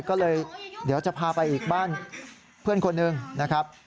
ก็เลยเดี๋ยวจะพาไปอีกบ้านเพื่อนคนหนึ่งนะครับ